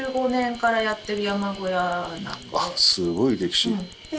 あっすごい歴史。